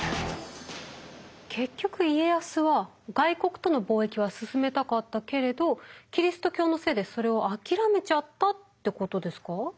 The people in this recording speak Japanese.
結局家康は外国との貿易は進めたかったけれどキリスト教のせいでそれを諦めちゃったってことですか？